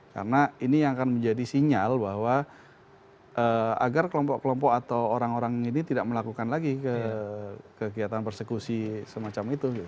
karena ini yang akan menjadi sinyal bahwa agar kelompok kelompok atau orang orang ini tidak melakukan lagi kegiatan persekusi semacam itu